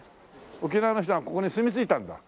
沖縄の人がここに住みついたんだ。